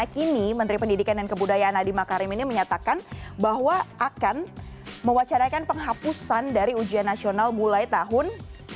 kini menteri pendidikan dan kebudayaan adi makarim ini menyatakan bahwa akan mewacanakan penghapusan dari ujian nasional mulai tahun dua ribu dua puluh